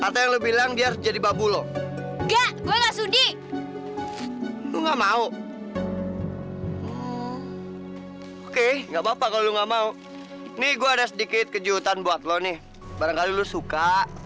sampai jumpa di video selanjutnya